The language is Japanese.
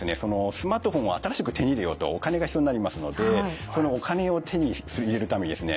スマートフォンを新しく手に入れようとお金が必要になりますのでそのお金を手に入れるためにですね